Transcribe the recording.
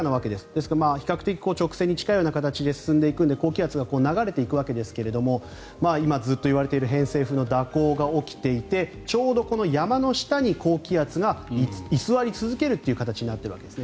ですから、比較的直線に近いような形で進んでいくので高気圧が流れていくわけですけれども今、ずっといわれている偏西風の蛇行が起きていてちょうど山の下に高気圧が居座り続けるという形になっているわけです。